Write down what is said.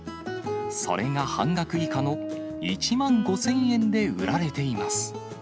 それが半額以下の１万５０００円で売られています。